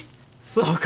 そうか。